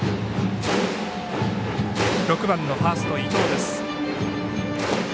６番のファースト、伊藤です。